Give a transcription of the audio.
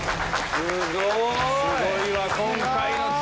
すごい！